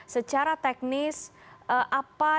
secara teknis apa